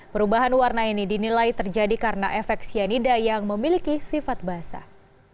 perubahan warna ini dinilai terjadi karena efek cyanida yang memiliki sifat basah